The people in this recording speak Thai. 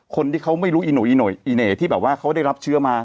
คนที่เขาไม่รู้อิหน่อยที่เขาได้รับเชื้อมา